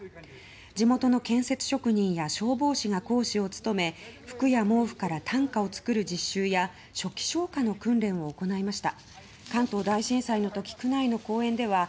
地元の建設職人や消防士が講師を務め服や毛布から担架を作る実習や初期消火の訓練を行いました。